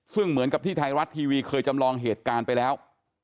ซึ่งเหมือนกับที่ไทยรัฐทีวีเคยจำลองเหตุการณ์ไปแล้ว